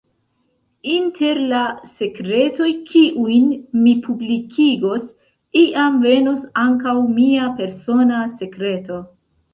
Inter la sekretoj kiujn mi publikigos, iam venos ankaŭ mia persona sekreto.